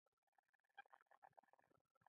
د افغانستان اسلامي امارت ډلې ته اجازه نه ورکوي.